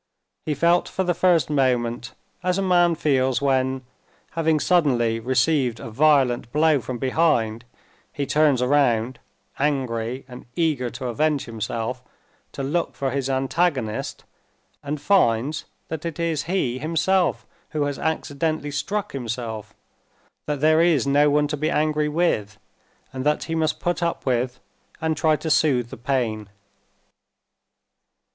He felt for the first moment as a man feels when, having suddenly received a violent blow from behind, he turns round, angry and eager to avenge himself, to look for his antagonist, and finds that it is he himself who has accidentally struck himself, that there is no one to be angry with, and that he must put up with and try to soothe the pain.